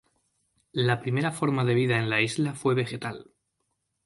La primera forma de vida en la isla fue vegetal.